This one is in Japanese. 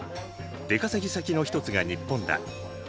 出稼ぎ先の一つが日本だ。